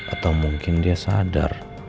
atau mungkin dia sadar